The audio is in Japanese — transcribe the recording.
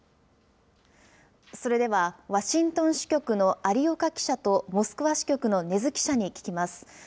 それではワシントン支局の有岡記者と、モスクワ支局の禰津記者に聞きます。